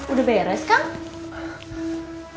udah beres kang